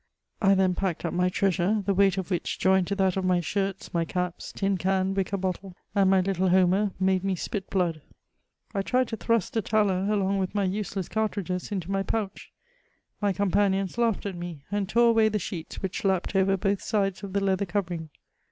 I then packed up my treasure, the weight of which, joined to that of my shirts, my cape, tin can, wicker bottle, and my litUe Homer, made me spit blood. I tried to thrust Atala, along with my useless cartridges, into my pouch; my companions laughed at me, and tore away the sheets which lapped over both sides of the leather covering.